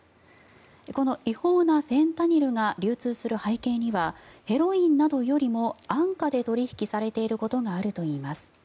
この違法なフェンタニルが流通する背景にはヘロインなどよりも安価で取引されていることがあるといいます。